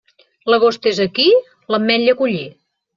L'agost és aquí?, l'ametlla a collir.